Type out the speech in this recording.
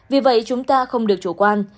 vì vậy chúng ta không được chủ quan